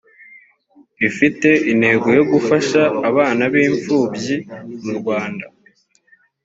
rifite intego yo gufasha abana b impfubyi mu rwanda